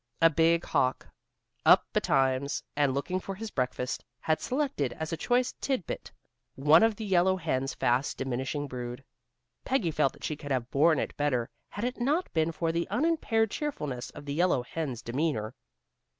A big hawk, up betimes, and looking for his breakfast, had selected as a choice tit bit, one of the yellow hen's fast diminishing brood. Peggy felt that she could have borne it better had it not been for the unimpaired cheerfulness of the yellow hen's demeanor.